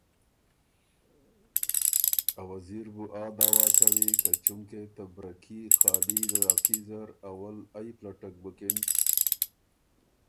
ا وزیر بُو آ دعوٰی کوی که چونکې ته برکي خالی علاقي زر اول ائ پلټک بُکِن